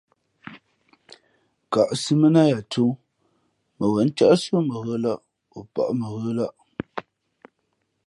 Kα̌ʼ siʼ mα nά ya tū, mα wěn cάꞌsi ó mα ghə̌lᾱꞌ,o pάʼ mα ghə̌lᾱꞌ.